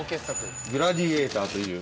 グラディエーターという。